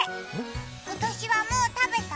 今年はもう食べた？